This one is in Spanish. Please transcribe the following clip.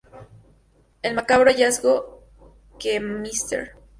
El macabro hallazgo que Mr.